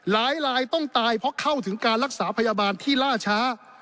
ลายต้องตายเพราะเข้าถึงการรักษาพยาบาลที่ล่าช้า